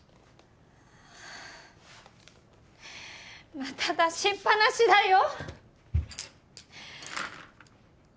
また出しっぱなしだよ！